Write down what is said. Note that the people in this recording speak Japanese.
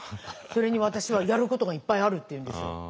それに私はやることがいっぱいある」って言うんですよ。